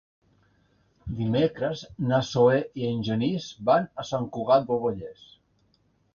Dimecres na Zoè i en Genís van a Sant Cugat del Vallès.